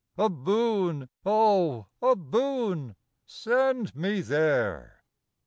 A boon, oh, a boon ! Send me there !